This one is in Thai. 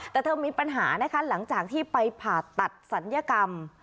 แต่เธอมีปัญหานะคะหลังจากที่ไปผ่าตัดศัลยกรรม